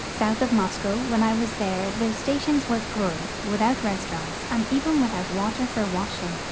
South of Moscow, when I was tliere the stations were poor, without restaurants, and even without water for washing.